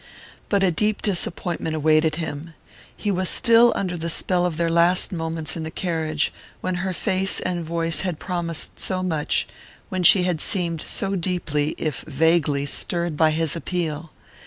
But a deep disappointment awaited him. He was still under the spell of their last moments in the carriage, when her face and voice had promised so much, when she had seemed so deeply, if vaguely, stirred by his appeal.